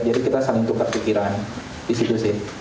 jadi kita saling tukar pikiran di situ